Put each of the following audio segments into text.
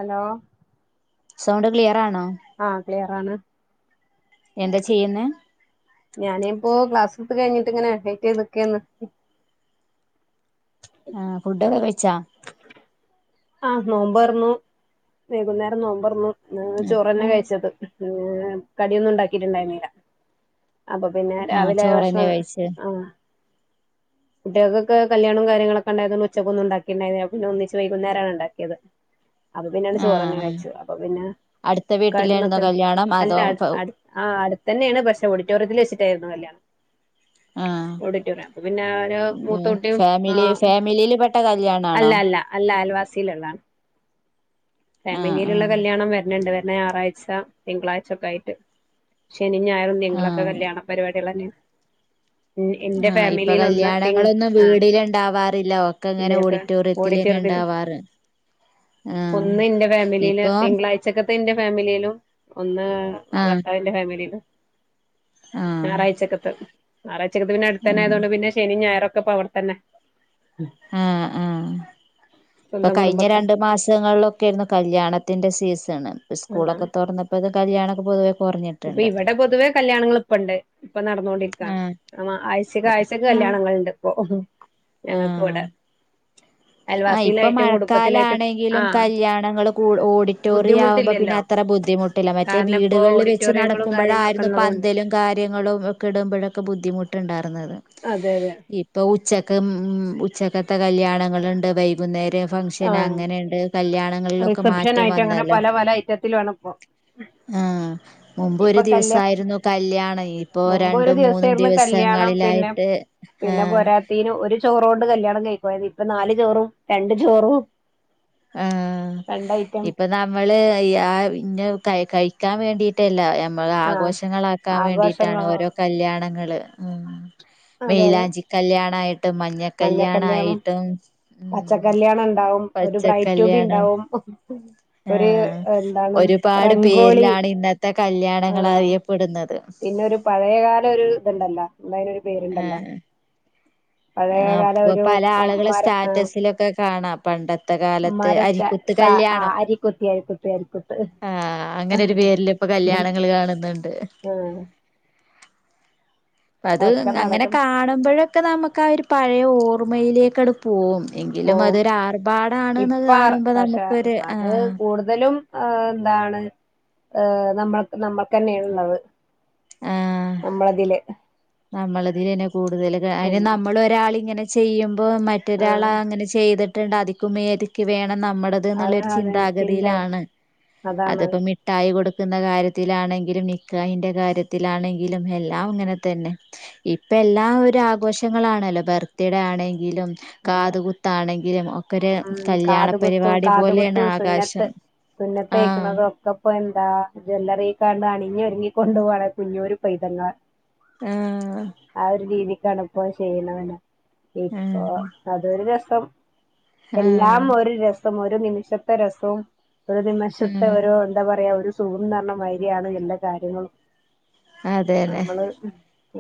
Hello sound clear ആണോ ആ ക്ലിയറാണ് എന്താ ചെയ്യുന്നേ ഞാൻ പ്പോ ക്ലാസ് ങനെ കഴിഞ്ഞിട്ട് വെയ്റ്റ് ചെയ്ത് നിക്കാണ് ആ ഫുഡൊക്കെ കഴിച്ചോ ആ നോമ്പ് തുറന്നുവൈകുനേരംനോമ്പ് തുറന്നു ഉം. ചോറന്നേ കഴിച്ചത് കടി ഒന്നും ഉണ്ടാക്കിട്ടിണ്ടായിരുന്നില്ല അപ്പോ പിന്നെ ആ രാവിലെ ചോറന്നെ ഭക്ഷണം കഴിച്ച് കൂട്ടാൾക്കൊക്കെ കല്യാണം കാര്യങ്ങളൊക്കെ ഉണ്ടായത് കൊണ്ട് ഉച്ചക്ക് ഒന്നും ഉണ്ടാക്കില്ല ഉണ്ടാക്കി ഉണ്ടായിരുന്നില്ല പിന്നെ ഒന്നിച്ചു വൈകുന്നേരണ്ടാക്കിയത് അത് പിന്നെ ആ ചോറ്ന്നെ ആ. കഴിച്ചു അപ്പോപ്പിന്നെ പിന്നെ അടുത്ത വീട്ടിലായിരുന്നോ കാര്യങ്ങളൊക്കെ കല്യാണം അല്ല അതോ ഫ- ആ അടുത്ത് തന്നെയാണ് പക്ഷേ ഓഡിറ്റോറിയത്തിൽ വച്ച് അവിടെയായിരുന്നു കല്യാണം ആ ഓഡിറ്റോറിയം അപ്പൊ പിന്നെ ഒരു മൂത്ത കുട്ടിയും ഫാമിലി ആഹ് ഫാമിലി പെട്ട കല്യണം ആണോ വാസിൽള്ളാണ് ആ ആ ഫാമിലിലുള്ള കല്യാണം വര്ണ്ണ്ട് ഞായാറാഴ്ച തിങ്കളാഴ്ച ഒക്കെ ആയിട്ട് ശനി ഞായർ ആ തിങ്കൾഒക്കെ കല്യാണപരിപാടികളെ തന്നെ ആ ഇപ്പൊ ഒന്ന് തിങ് കല്യാണങ്ങളൊന്നും ആഹ് വീട്ടിൽ ഉണ്ടാവാറില്ല ഒക്കെ ഓഡിറ്റോറിയത്തിൽ ഉണ്ടാവാറ് ഒന്ന് എന്റെ ഫാമിലില് തിങ്കളാഴ്ചഒക്കെ ന്റെ ഫാമിലിലും ഒന്ന് ആ ഭർത്താവിന്റെ ഫാമിലിലും ആ ഞായാറാഴ്ഛകാതെ ഞായറാഴ്ചകാതെ പിന്നെ അടുത്തനെന് ഉം ആയതുകൊണ്ട് ശനി ഞായാറും ഒക്കെ ഇപ്പോ അവിടെതന്നെ ആ ആ ഇപ്പ സ്വന്തം കഴിഞ്ഞ കുടുംബക്കാരാ രണ്ട് മാസങ്ങൾളും ക്കർന്ന് കല്യാണത്തിന്റെ സീസൺ ഇതാണ് സ്കൂളൊക്കെ തുറന്നപ്പോ ഇത് കല്യാണം ഒക്കെ പൊതുവെ ഇപ്പ കുറഞ്ഞിട്ടുണ്ട് ഇവിടെ പൊതുവെ കല്യാണങ്ങള് ഇപ്പഇണ്ട് ഇപ്പ നടന്നോണ്ടിരിക്കാ ആഹ് മ ആഴ്ചക്ക് അതെ ആഴ്ചക്ക് കല്യാണങ്ങൾ ഇണ്ട് ഒ ഞങ്ങക്കിവിടെ ആ ഇപ്പം മഴക്കാലംആണെങ്കിലും ആഹ് കല്യാണങ്ങള് കൂ ഓഡിറ്റോറിയം ആവുമ്പോ പിന്നെ ബുദ്ധിമുട്ടില്ലല്ലോ അത്ര ബുദ്ധിമുട്ട് ഇല്ല മറ്റേ കാരണം ഇപ്പോ വീടുകളിൽ വെ ഓഡിറ്റോറിയങ്ങളും കാര്യങ്ങളൊക്കെ ക്കുമ്പോളായിരുന്നു ഉള്ളതുകൊണ്ട് പന്തലും കാര്യങ്ങളും ഒക്കെ ഇടുമ്പോക്കെ ബുദ്ധിമുട്ട് ട്ടുണ്ടായിരുന്നത് അതെ അതെ ഇരുന്നത് ഇപ്പോ ഉച്ചക്ക് ത് മ് ഉച്ചക്കത്തെ കല്യാണങ്ങൾ ണ്ട് വൈകുന്നേരം ഫംഗ്ഷൻ ആഹ് അങ്ങനെ ആണ്ട് കല്യാണങ്ങളിലൊക്കെ റിസപ്ഷൻ മാറ്റം ആയിട്ട് അങ്ങനെ വന്നല്ലോ പല പല ഐറ്റത്തിലാണ് ഇപ്പൊ ആ മുൻപ് ഒരു ഇപ്പൊ ദിവസം കല്യാ ആയിരുന്നു കല്യാണം ഇപ്പൊ മുമ്പ് ഒരു രണ്ടും മൂന്നും ദിവസായിരുന്നു കല്യാണം പിന്നെ ദിവസങ്ങളിലായിട്ട് ഹേ ണം കഴിക്കയിഞ്ഞു ഇപ്പം നാല് ചോറും രണ്ട് ചോറും ആ രണ്ട് ഐറ്റം ഇപ്പം നമ്മള് ആ ഇന്ന കയ് കയിക്കാൻ വേണ്ടിട്ടല്ല ഞ നമ്മക്ക് ആഹ് ആഘോഷങ്ങൾ ആക്കാൻ വേണ്ടീട്ടാണ് ആഘോഷങ്ങളോ ഓരോ കല്യാണങ്ങള് ആ അതെ അതെ മൈലാഞ്ചി കല്യാണം ആ മഞ്ഞ കല്യാണായിട്ടും മ് പ ബ്രൈഡ് ടു ബി ഇണ്ടാവും. ഒരു ആഹ് എന്താണ് ഒരുപാട് റെഗോളി പേരിലാണ് ഇന്നത്തെ ആ കല്യാണങ്ങൾ അറിയപ്പെടുന്നത് പിന്നെ ഒരു പഴയ കാല ഒരു ഇതുണ്ടല്ലോ അതിന് ഒരു പേരുണ്ടല്ലോ ആ പഴയകാല ഇപ്പൊ ഒരു പല ആളുകളെ മര ആഹ് സ്റ്റാറ്റസിലൊക്കെ കാണാ പണ്ട ണ്ടത്തെ കാലത്തെ മരം സ്റ്റാ അരികുത്ത് സാ കല്യാണം അരിക്കുത്ത് അരിക്കുത്ത് അരിക്കുത്ത് ആ അങ്ങനെ ഒരു ആഹ് പേരിൽ ഇപ്പൊ കല്യാണങ്ങള് കാണുന്നുണ്ട് അത്‌ ഒക്കെ അങ്ങനെ നടക്കും കാണുമ്പഴക്കെ നമ്മ പയേ ഓർമയിലേക്കട് പോവും. എങ്കിലും അത്‌ പോവും ഒരു ആർഭാടാണ്ന്ന് ഇപ്പ കാണുമ്പോ നമുക്കൊരു ആ ആ എന്താണ് നമ്മക്ക് നമ്മക്കന്നെ ആണ് ഉള്ളത്. ഞമ്മള്ദീല് നമ്മള്ദീന് കൂടുതല് കാര് നമ്മള്ഒരാളിങ്ങനെ ചെ ചെയ്യും. ഇപ്പൊ മറ്റൊരാള ആഹ് അങ്ങനെ ചെയ്ത് ത്ണ് അതിക്കും മേതിക്ക് വേ ന്നാ നമ്മടത് അതെ നുള്ളൊരു അതെ ചിന്താ ചിന്ത ഗതിയിലാണ് അതാണ് അത്പ്പ മിട്ടായി കൊട് ത്ത്ന്ന കാര്യത്തിലാണെങ്കിലും നിക്കാഹിന്റെ കാര്യത്തിലാണെങ്കിലും എല്ലാം ഇങ്ങനെത്തന്നെ. ഇപ്പ എല്ലാം ഒരാഗോശങ്ങളാണല്ലോ ബർത്തിടേആണെ ങ്കിലും കാത്കുത്താണെങ്കിലും ഒ മ്മ് കാത്കുത്തും കാത്കുത്ത് സുന്നത്ത് ആകാശം ആഹ് സുന്നതൈക്കണതൊക്കെഇപ്പെന്താ ജൊല്ലറിക്കാണ്ട് അണിഞ്ഞൊര് ങ്ങി കൊണ്ട്പോളെ കുഞ്ഞോരു പൈതങ്ങളെ. ആാാ ഹ് തലപ്പോയ് ഷെയ്യുന്നതന്നെ. ഇപ്പൊ ആഹ് അതൊരുരസം. ആഹ് എല്ലാംഒര് രസ് ഒരു നിമിഷത്തെ രസോം ഒരു നിമഷത്തെ ആഹ് ഒരു എന്താ പറയാ ഒരു ശുകും ന്നർണമാരീയാണ് എല്ലാ കാര്യങ്ങളും അതെ അതെ നമ്മള്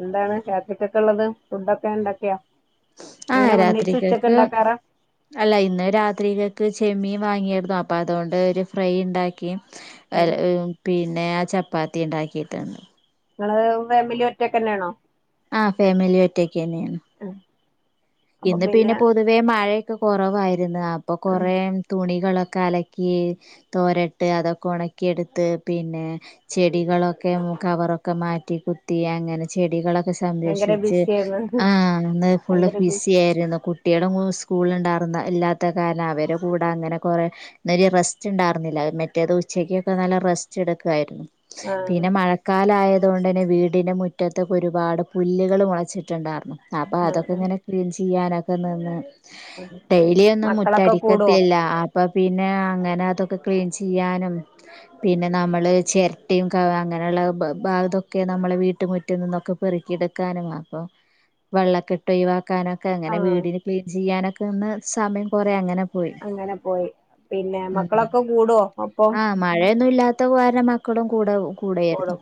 എന്താണ് രാത്രിക്കൊക്കെള്ളത് ഫുടൊക്കെ ഇണ്ടാക്യാ ആ രാത്രിക്കേൽക്ക് ഉണ്ടാക്കാറാ അല്ല ഇന്ന് രാത്രിക്കേക്ക് ചെമ്മീൻ വാങ്ങിയർന്നു അപ്പ അതോണ്ട് ഒരു ഫ്രൈണ്ടാക്കി ഉം എൽ ഏഹ് പിൻ ഏഹ് ചപ്പാത്തിണ്ടാക്കിട്ട് നിങ്ങള് ഫാമിലി ഒറ്റക്കെന്നെണോ ആഹ് ഫാമിലി ഒറ്റക്കെന്യാ ആഹ് ഇന്ന് പിന്നെ പൊതുവേ മഴ കൊറവായ് രുന്ന് അപ്പ ആഹ് കൊറേ തുണി കളൊക്കെ അലക്കി തോരട്ട് അതൊക്കെ ഓണക്കി എടുത്ത് പിന്നേ ചെടികളൊക്കെ മു കവറൊക്കെ മാറ്റികുത്തി അങ്ങനെ ചെടികളൊക്കെ ഭയങ്കര സംരഷിച് ബിസിയാണ് ആഹ് ഇന്ന് ഫുള്ള് ഭയങ്കര ബി ബിസിയായിരുന്നു കു ട്ടിയെളോങ്ങും ഉസ്‌കൂളിണ്ടാർന്ന ഇല്ലാത്ത കാരണം അവരും കൂടാ അങ്ങനെ കൊറേ ഇന്നലെ ബെസ്റ്റ് ഇണ്ടാർന്നില്ല അയ് മറ്റേത് ഉച്ചക്ക് ന്നർഞ്ഞാല് റെസ്റ്റെട്ക്കയിരു ന്നു ആഹ് പിന്നെ മഴക്കാലയ തോണ്ടന്നെ വീടിന് മുറ്റത് ഒരുപാട് പുല്ലുകള് മുളച്ചിണ്ടാർന്നു ആപ്പ ആഹ് ആഹ് അതൊക്കെന്നെ ഷിയാര [unintelligible] ആഹ് ഡെയ്ലി ഒന്നും മുറ്റ മക്കളൊക്കെ കൂടോ അടിക്കത്തില്ലാ ആ പ്പ പിന്നെ അങ്ങനെ അതൊക്കെ ക്ലീൻ ചെയ്യാനും പിന്നെ നമ്മള് ചെരട്ടിം കവാ അങ്ങനള്ള ബ ബാ തൊക്കെ നമ്മളെ വീട്ട്മുറ്റത്ന്ന് പൊറുക്കിയെട്ക്കാനും വള്ളകെട്ട് ഒഴിവാ കാനൊക്കെ അങ്ങനെ ആഹ് വീടിന് ക്ലീൻ ചെയ്യാനൊ ന്ന് സമയം കൊറിയാ അങ്ങനെ പോയി പിന്നെ ഉം മക്കളൊക്കെ കൂടോ ഒപ്പം തൊവായരെ മക്കളും കൂഡൗ കൂടെയേര് കൂടും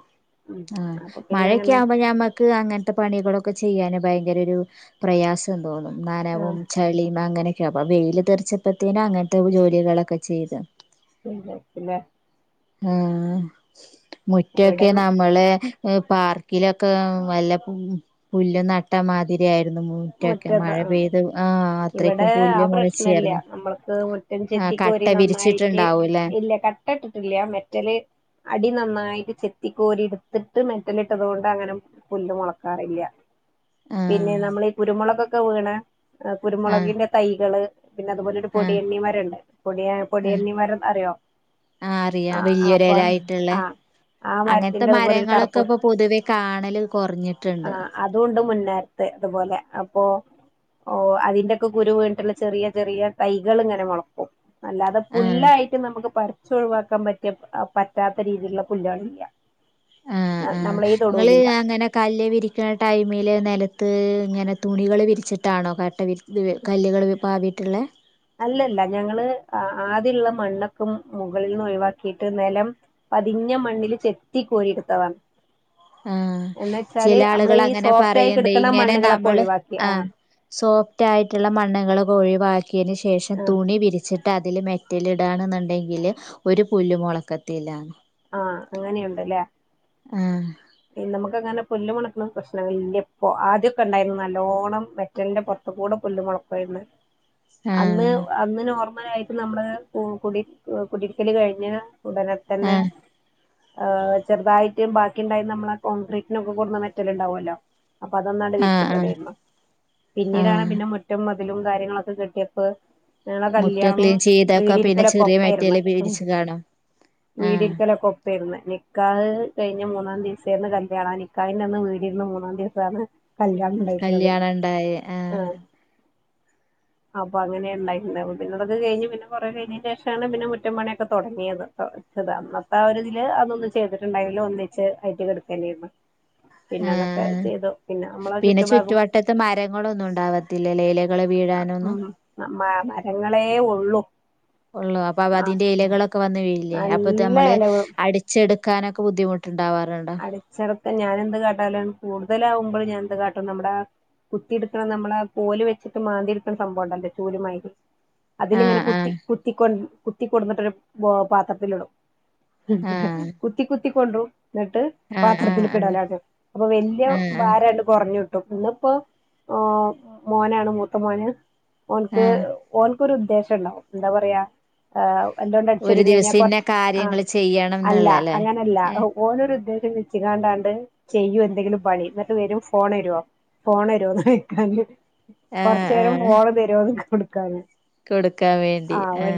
ഉം ആഹ് അപ്പൊ പിന്നെ അങ്ങനെ മഴക്കെയാവുമ്പോ ഞമ്മക്ക് അങ്ങൻത്തെ പണികളൊക്കെ ചെയ്യാന് ഭയങ്കരൊരു പ്രയാസം തോന്നും നനവും ആഹ് ചെളീം അങ്ങനെ ക്ക്യാവും അപ്പ വെയില് തെർച്ചപ്പത്തേനു അങ്ങനെത്ത ജോലികളൊക്കെ ചെയ്ത്. വെയ്ലാരിക്കും ഇല്ലേ ആഹ് ഇവിടെ മുറ്റോക്കെ നമ്മള് എ പാർക്കിലൊക്കെ വല്ല പു പുല്ലും നട്ടമാതിരിയാ മുറ്റൊക്കെ ആഹ് ഇവടെ അത്രയ്ക്കും ആ പുല്ല് പ്രശ്നില്ല മുളച്ചായിരുന്നു മ്മൾക്ക് മുറ്റം ആഹ് ചെത്തി കട്ട കോരി നന്നായിട്ട് വിരിച്ചിട്ടുണ്ടാവൂല്ലേ ഇല്ല കട്ടട്ടിട്ടില്ല മെറ്റല് അടി നന്നായി ചെത്തിക്കോരി ഇട്ത്തിട്ട് മെറ്റലിട്ടതോണ്ട് അങ്ങനെ പുല്ല് മോളക്കാറില്ല പിന്നെ ആഹ് നമ്മള് രുമുളക്കൊക്കെ വീ--ണെ അ ആഹ് കുരുമുളകിന്റെ തൈകള് പിന്നതുപോലൊരു ആഹ് പൊടിയണ്ണി മരണ്ട് പൊടിയ ആഹ് പൊടിയണ്ണി മരം അറിയോ ആഹ് അറിയാം ആഹ് ആഹ് പ വലിയൊരെലായിട്ടുള്ളേ അ ആ അങ്ങനത്തെ മര്തിന്റെതുപോലൊരു മരങ്ങളൊക്കെ കറ്പ്പ് ഇപ്പൊ പൊതുവെ കാണല് കൊറഞ്ഞിട്ടുണ്ട് ആഹ് അതുണ്ട് മുന്നാര്ത് ഇതുപോലെ പ്പൊ ഓ അതിന്റൊക്കെ കുരുവീണ് ട്ടില്ലെ ചെറിയ ചെറിയ തൈകളിങ്ങനെ മൊളക്കും അല്ലാതെ ആഹ് പുല്ലായിട്ട് നമ്മക്ക് പർ ചൊയ്വാക്കാൻ പറ്റിയ പറ്റാത്ത രീതിയില്ള്ള പുല്ലേളില്ലാ ആഹ് ആഹ് ഇങ്ങള് ആങ്ങനെ കല്ല് വിരിക്ക്ണെ ടൈമില് നെല ത് ങ്ങനെ തുണികള് വിരിച്ചിട്ടാണോ കട്ട വിര് ത് കല്ല്കള് പാതി ത് ള്ളെ അല്ലല്ല ഞങ്ങള് അ ആദ്യള്ള മണ്ണൊക്ക മുകളിന്നൊയുവാക്കിട്ട് നെലം പതിഞ്ഞ മണ്ണിൽ ചെത്തി കോരിടെത്തണ് ആഹ് ചില നമ്മളെ ആളുകൾ ഈ അങ്ങനെ സോഫ്റ്റ് ആയി പറണ്ട് കിടക്കുന്ന ഇങ്ങനെ മണ്ണുകളൊക്കെ നമ്മൾ ഒഴിവാക്കി ആ സോഫ്റ്റായിടുള്ള മണ്ണ്കളും പോയിവരി ക്കിന് ശേഷം ആ തുണി വിരിച്ച് റ്റതില് മെറ്റലിടാണ് ന്നുണ്ടെങ്കില് ഒരു പുല്ലുമൊളക്കത്തില്ലന്ന് ആഹ് അങ്ങനെയുണ്ട്ലേ ആഹ് ഇ നമുക്കങ്ങനാം പുല്ല് മുളക്ക്ണോം പ്രശ്ണ ഇല്ല്യപ്പൊ ആദ്യൊക്കെ ണ്ടായിർന്നു നല്ലോണം മെറ്റൽന്റെ പൊർത്ത്കൂടൊക്കെ പുല്ല് മുളക്കയ്ര്ന്ന് അന്ന് ആഹ് അന്നെനോറം മഴ അയിട്ട് നമ്മള് കു കുടി കുടിര്ക്കല് കഴിഞ്ഞ് ഉടനെ തന്നെ ആഹ് ഏ ചെറുതായിട്ട് ബാക്കിണ്ടായിന നമ്മള കോൺക്രീറ്റിനൊക്കെ കൊട്ന്ന മെറ്റൽണ്ടാവൊല്ലോ അപ്പൊ അതൊണ്ടണ് ആഹ് ആഹ് വിര്ച്ചിട്ടതേമ്മ പിന്നീടാണ് ആഹ് പിന്നെ മുറ്റം മൊ ഇതിലും കാര്യങ്ങളൊക്കെ കെട്ടിയപ്പോ ഞങ്ങളെ മുറ്റം കല്യാണവും ക്ലീൻ ചെയ്തൊക്കെ പിന്നെ വീടിരിക്കലൊക്കെ ചെറിയ മെറ്റെല്ല് ഒപ്പായിരുന്നു പിടിച്ച് കാണും ആഹ് ക്കലൊക്കൊപ്പെർന്ന് നിക്കാഹ് കഴിഞ്ഞ മൂ ന്നാം ദിവസേന്ന് കല്യാണം ആ നിക്കാഹിന്റെന്ന് വീടിര്ന്ന് മൂന്നാം ദിവസാണ് കല്യാണം ഇണ്ടായിക്ക്ണത് കല്യാണം ഉണ്ടായി ആ ആഹ് അപ്പൊ അങ്ങനെ ഉണ്ടായിട്ടുണ്ട് അപ്പോ പിന്നെ അതൊക്കെ കഴിഞ്ഞ് പിന്നെ കൊറെ കഴിഞ്ഞതിന്‌ ശേഷാണ് പിന്നെ മുറ്റം പണിയൊക്കെ തുടങ്ങിയത് [unintelligible] ഇപ്പോ ആ ഒരിതില് അതൊന്നും ചെയ്തിട്ടുണ്ടായില്ല ഒന്നിച്ച് ആയിട്ട് കൊടുക്ക തന്നെയായിരുന്നു ആ നമ്മളെ പിന്നെ ചുറ്റുഭാഗം ചുറ്റുവട്ടത്ത് മരങ്ങളൊന്നും ഉണ്ടാവത്തില്ലലെ ഇലകൾ വീഴാനൊന്നും ഉം മ മരങ്ങളേ ഒള്ളു ഒള്ളൂ അപ്പാപ്പ അതിന്റെ ഇലകളൊക്കെ വന്ന് വീഴില്ലേ അപ്പ ഇത് നല്ല മ്മള് എലകളും അടിച്ചെടുക്കാനൊക്കെ ബുദ്ധിമുട ഇണ്ടാവാർണ്ടോ ഞാനെന്ത്‌ കാട്ടാലാണ് കൂടുതലാകുമ്പൾ ഞാ എന്ത് കാട്ടും നമ്മുടെ കുത്തി ഇട്ക്കണ നമ്മളെ കോല് വെച്ചിട്ട് മാന്തിട്ക്ക്ണ സംഭവം ഇണ്ടല്ലേ ചൂല് മായിരി അതിലിങ്ങനെ ആഹ് കുത്തി ആഹ് കുത്തിക്കൊണ്ട് കുത്തി കൊട്ന്നിട്ടൊരു ബോ പാത്രത്തിലിടും ആഹ് കുത്തി കു ത്തിക്കൊണ്ട്റും ന്നട്ട് ആഹ് ആഹ് പാത്രത്തിൽക്ക് ആഹ് ഇടലാണ് അപ്പൊ വല്ല്യ ആഹ് ആഹ് ഭാരാണ്ട് കൊർഞ്ഞ് ട്ടും ഇന്ന്പ്പോ ഏ മോനാണ് മൂത്ത മോന് ഓൻക്ക് ആഹ് ഓൻ ക്ക് ഒരു ഉദ്ദേശം ഇണ്ടാവും എന്താ പറയാ ഏ ഒരു ദിവസം ഇന്നെ കാര്യങ്ങൾ ചെയ്യണം ഇന്ന്ള്ള ലെ എ നൊരു ഉദ്ദേശം വെച്ച് കാണ്ടാണ്ട് ചെയ്യും എന്തെങ്കിലും പണി ഇന്നട്ട് വെരും ഫോണെരോ ഫോണെരോ ന്നൊയ്ക്കാൻ കൊർച്ചേരം ഫോണ് തരോ കൊട്ക്കാൻ കൊട്ക്കാ വേണ്ടി ആ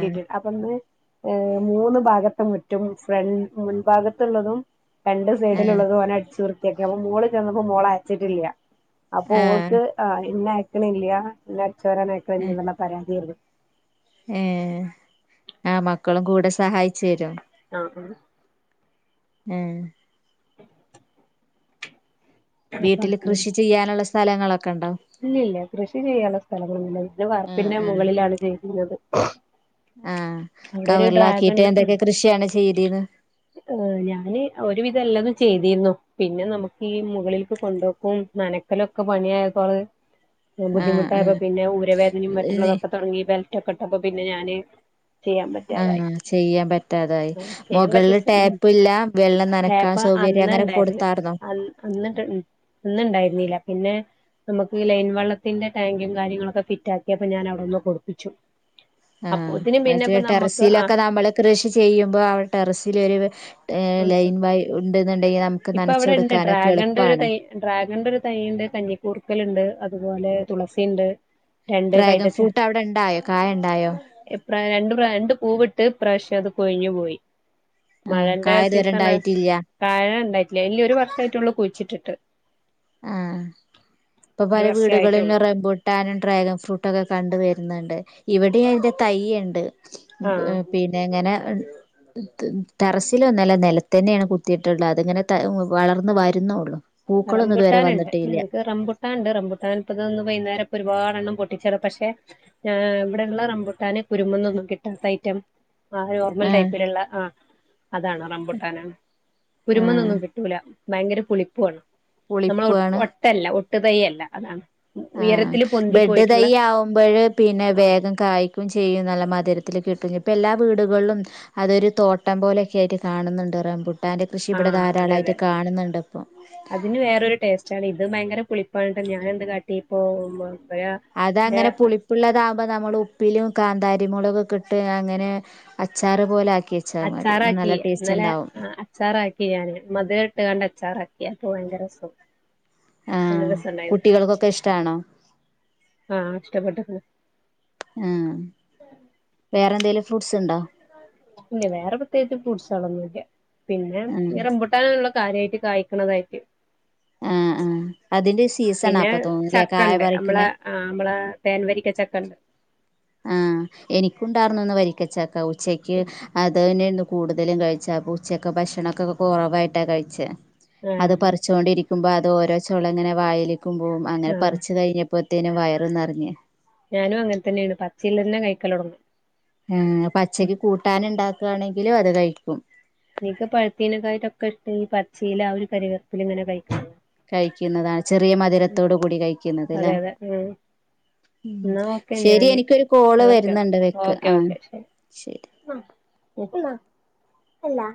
ഏ മൂന്ന് ഭാഗത്തും മുറ്റും ഫ്രണ്ട് മുൻ ഭാഗത്ത്ള്ളതും രണ്ട് സൈഡിൽ ആഹ് ഇള്ളതും ഓന് അടിച്ച് വൃത്തിയാക്കി അപ്പം മോൾ ചെന്ന മോൾ അയ്ചിട്ടില്ല അപ്പം ആഹ് ഓൾക്ക് ഏ ഇന്നെ അ ക്ക്ണില്ല ഇന്നെ ച്ചോരാൻ അയ്ക്ക്ണില്ല ന്നുള്ള പരാതി എര്ന്നു ഏ മക്കളും കൂടെ സഹായിച്ചെരോ ആ അ ഏ വീട്ടില് കൃഷി ചെയ്യാന്ള്ള സ്ഥ സ്ഥലങ്ങളൊ ഇല്യല്ല കൃഷി ചെയ്യാന്ള്ള സ്ഥലങ്ങളൊന്നില്ല പിന്നെ വാർപിന്റെ മൊകളിലാണ് ചെയ്തിനെത് [unintelligible] [unintelligible] ആ കവർലാകിട്ട് ഉം എന്തൊകെ കൃഷി ആണ് ചെയ്തീന്നെ ചെയ്തീര്ന്നു പിന്നെ നമുക്ക് ഈ മുകളീൽക്ക് കൊണ്ടോക്കും നനക്കലൊക്കെ പണി ആയപള് ഉം ആഹ് ബുദ്ധിമുട്ടായപ്പം ആഹ് പിന്നെ ഊരവേദനേം ഇത് മറ്റുള്ളതൊക്കെതൊടങ്ങീ ബെ റ്റക്കട്ടുമ്പൊ പിന്നെ ഞാന് ചെയ്യാം പറ്റാതായി ആഹ് ചെയ്യാൻ പറ്റാതായി ചെയ്യാം മുകളില് പറ്റച്ച ഉം ടാപ്പ് ഇല്ല വെള്ളം നനക്കാൻ ടേപ്പ സൗകര്യം അങ്ങനെ അന്ന്ണ്ടായ്ര്ന്ന് കൊടുത്താർന്നോ അ അന്ന്ട്ട് ഉം അന്ന്ണ്ടായ്ര്ന്നീല്ല പിന്നെ നമ് ഈ ലൈൻവള്ളത്തിന്റെ ടാങ്കിം കാര്യങ്ങളൊക്കെ ഫിറ്റാക്യപ്പം ഞാനവിടൊന്ന് കൊട്പിച്ചു ആ മറ്റെ ആ ടെറസിലൊക്കെ നമ്മള് കൃഷി ചെയ്യുമ്പാേ അവ ടെറസിലൊരു ഏ ലൈൻ വയ് ഉ ഇപ്പ അവ്ടെണ്ട് ട്രാഗൺന്റെ എളുപ്പാണ് ഒര്തൈ ട്രാഗൺന്റെ ഒര് തൈയിണ്ട് കഞ്ഞി കൂർക്കല്ണ്ട് അ അത് പോലെ തുളസിണ്ട് രണ്ട് ട്രാഗൺ കൈതച്ച ഫൂട്ട് അവടെണ്ടായോ കായണ്ടായോ [unintelligible] രണ്ട് പൂവ്ട്ട് ഇപ്രാശ്യത് കൊഴിഞ്ഞ് പോയി ആഹ് മഴന്റെ കായ ഇതുവരെ സീസണ് ഉണ്ടായിട്ടില്ല ആയ ഇല്യ ഒരു വർഷായിട്ടാെള്ളു കുയ്ചിട്ടിട്ട് ആ ഇപ്പം ഒരു പല വർഷേ വീടുകളിലും ആയിട്ടുള്ളൂ റംബുട്ടാനും ട്രാഗൺഫൂട്ടൊക്കെ കണ്ട് വ ര്ന്ന്ണ്ട് ഇവടീം അയ്ന്റെ തയ്യ്ണ്ട് ആഹ് പിനെങ്ങനെ ടെറസിലൊന്നുമല്ല നിലത്ത് തന്നെയാണ് കുത്തിയിട്ടുള്ളത് അതിങ്ങനെ വളർന്ന് വരുന്നേയുള്ളു റംബുട്ടാനുണ്ട് എനിക്ക് റമ്പുട്ടാനുണ്ട് റബുട്ടാൻ ഇപ്പന്ന് വൈകുന്നരം ഇപ്പം ഒരുപാടെണ്ണം പൊട്ടി പക്ഷേ ഇവിടെയുള്ള റംബുട്ടാന് കുരുമൊന്നൊന്നും കിട്ടാത്ത ഐറ്റം ആ നോർമൽ ആഹ് ടൈപ്പിലുള്ള ആ അതാണ് റംമ്പുട്ടാനാണ് ആഹ് കുരുമേന്നൊന്നും കിട്ടൂല ഭയങ്കര പുളിപ്പുവാണ് നമ്മളൊ പുളിപ്പാണ് ഒട്ടല്ല ഒ തട്ട് തൈ അല്ല അതാണ് ആ ഉയരത്തില് പൊന്തി ബെഡ് തൈ പോയിട്ടുള്ള ആവുമ്പോഴ് പിന്നെ വേഗം കായ്ക്കും ചെയ്യും നല്ല മതി മരത്തിൽ കിട്ടും ഇപ്പോൾ എല്ലാ വീടുകളിലും അതൊരു തോട്ടം പോലെയൊക്കെ ആയിട്ട് കാണുന്നുണ്ട് റംബൂട്ടാൻ റംപൂട്ടാന്റെ കൃഷി ഇവിടെ ആഹ് അതെ അതെ ധാരാളായിട്ട് കാണുന്നുണ്ട് ഇപ്പൊ പുളിപ്പാനിട്ട് ഞാൻ എന്ത് കാട്ടി ഇപ്പൊ അതങ്ങനെ പുളിപ്പുള്ളതാ അപ്പ നമ്മള് ഉപ്പിലും കാന്താരി മൊളകൊക്കെയിട്ട് അങ്ങനെ അച്ചാറ് പോലെ വെച്ചാൽ മതി അച്ചാറാക്കി നല്ല ടേസ്റ്റ് ഇന്നലെ ഉണ്ടാവും അച്ചാറാക്കി ഞാന് മധുരം ഇണ്ട് കണ്ട് അച്ചാറാക്കി ആക്കിയപ്പോ ഭയങ്കരസുഖ ആ കുട്ടികൾക്കൊക്കെ ഇഷ്ടാണോ ആഹ് ഇഷ്ടപ്പെട്ട്ക്ക്ണ് ആ വേറെന്തെലും വേറെ പ്രത്യേകിച്ച് [unintelligible] ഒന്നുല്ല്യ പിന്നെ ആഹ് ഈ റംബൂട്ടാനുള്ള കാര്യായിട്ട് കായ്ക്കണതായിരിക്കും ആഹ് ആഹ് അതിന്റെ സീസണാ പിന്നെ അപ്പൊ തോന്നുന്നുല്ലേ കായ ചക്കണ്ട് നമ്മള പറിക്കണേ ആ നമ്മള തേൻ വരിക്ക ചക്ക ആ എനിക്കുണ്ടാർന്നു ഇന്ന് വരിക്കച്ചക്ക ഉ ഉച്ചക്ക് അത്പിന്നെ കൂടുതലും കഴിച്ച ഉച്ചയൊക്കെ ഭക്ഷണൊക്കെ കൊറവായിട്ടാ കഴിച്ചെ അത് ആഹ് പറിച്ചൊകൊണ്ടിരി നോക്കുമ്പോ അത് ഓരോ ചോളം ഇങ്ങനെ വായില് ക്കുമ്പോ അങ്ങനെ ആഹ് പറിച്ചു കഴിഞ്ഞ ഇപ്പത്തേനും വയറ് നെറഞ്ഞ് ചില്ലന്നെ കഴിക്കല് തുടങ്ങും ആ പച്ചക്ക് കൂട്ടാനുണ്ടാ ആണെങ്കിലും അത് കഴിക്കും എനിക്ക് പഴുത്തീനെക്കായിട്ടൊക്കെ ഇഷ്ടം ഈ പച്ചേൽ ആ ഒരു കരിവേപ്പിൽ ഇങ്ങനെ കഴിക്കാനാ കഴിക്കുന്നതാ ചെറിയ മധുരത്തോട് കൂടി കഴിക്കുന്നത് അതെ ല്ലേ അതെ ഉം എന്നാ ഓക്കെ ശരി ഞാന് എനിക്കൊരു കോള് ഓക്കെ വരുന്നുണ്ട് വെക്ക് ആ ശരി എ [unintelligible] ല്ല അല്ലാ